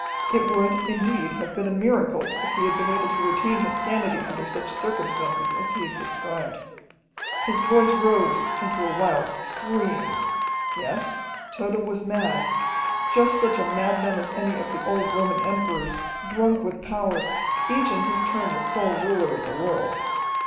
It would, indeed, have been a miracle if he had been able to retain his sanity under such circumstances as he had described. His voice rose into a wild scream. Yes, Tode was mad just such a madman as any of the old Roman emperors, drunk with power, each in his turn the sole ruler of the world.